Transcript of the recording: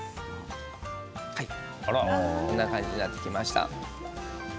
こんな感じになってきました。